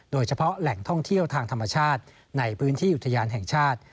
โดยเฉพาะแหล่งท่องเที่ยวทางธรรมชาติในพื้นที่อุทยานแห่งชาติ